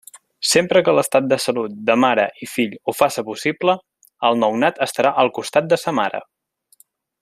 Sempre que l'estat de salut de mare i fill ho faça possible, el nounat estarà al costat de sa mare.